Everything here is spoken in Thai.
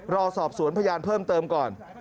รอสอบสวนพยานเพิ่มเติมก่อน